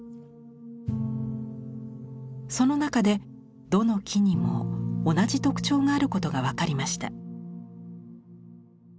その中でどの木にも同じ特徴があることが分かりました。